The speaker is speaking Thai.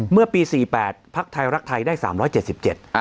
เมื่อปีสี่แปดพักไทยรักไทยได้สามร้อยเจ็ดสิบเจ็ด